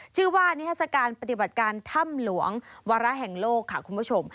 ชื่อว่านิทัศกาลปฏิบัติการถ้ำหลวงวาระแห่งโลกค่ะคุณผู้ชม